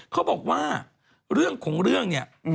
เขาบอกว่าเรื่องของเรื่อง